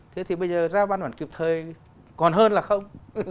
thế thì bây giờ ra văn bản kịp thời còn hơn là không